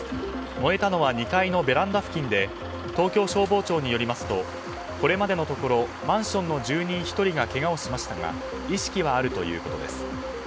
燃えたのは２階のベランダ付近で東京消防庁によりますとこれまでのところマンションの住人１人がけがをしましたが意識はあるということです。